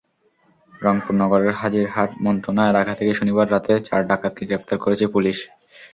রংপুর নগরের হাজিরহাট মন্থনা এলাকা থেকে শনিবার রাতে চার ডাকাতকে গ্রেপ্তার করেছে পুলিশ।